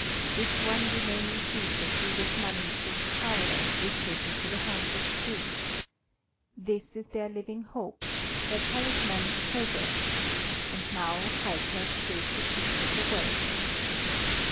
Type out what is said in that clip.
This one remaining piece of Judas money puts power and riches into the hands of the Jews. This is their living hope, their talismanic treasure and now Jaikef gave the secret away.